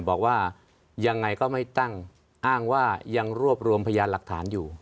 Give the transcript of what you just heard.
บอกว่ายังไงก็ไม่ตั้งอ้างว่ายังรวบรวมพยานหลักฐานอยู่